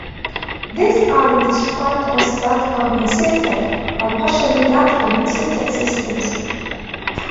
These are described as depth compensated or partially depth compensated systems.